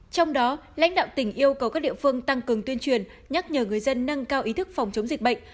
trong đó lãnh đạo tỉnh yêu cầu các địa phương tăng cường tuyên truyền nhắc nhở người dân nâng cao ý thức phòng chống dịch bệnh